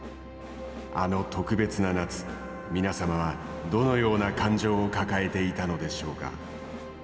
あの特別な夏皆様はどのような感情を抱えていたのでしょうか。